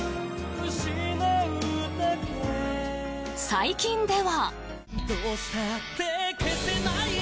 ［最近では］